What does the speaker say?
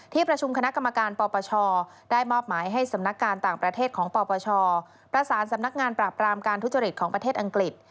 ประชุมคณะกรรมการปปชได้มอบหมายให้สำนักการต่างประเทศของปปชประสานสำนักงานปราบรามการทุจริตของประเทศอังกฤษ